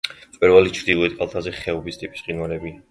მწვერვალის ჩრდილოეთ კალთაზე ხეობის ტიპის მყინვარებია.